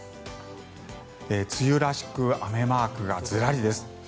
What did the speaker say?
梅雨らしく雨マークがずらりです。